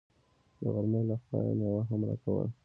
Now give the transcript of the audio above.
د غرمې له خوا يې مېوه هم راکوله.